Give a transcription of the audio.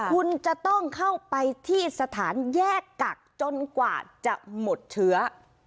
คุณจะต้องเข้าไปที่สถานแยกกักจนกว่าจะหมดเชื้อ